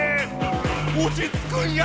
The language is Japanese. おちつくんや！